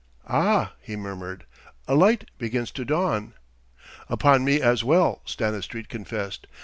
"Ah!" he murmured. "A light begins to dawn...." "Upon me as well," Stanistreet confessed.